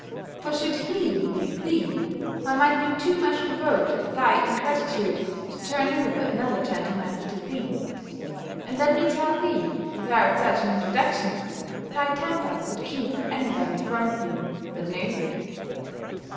For, should he leave thee, I might be too much provoked at thy ingratitude, to turn over another gentleman to thee. And let me tell thee, without such an introduction, thy temper would keep any body from thee, that knows it!"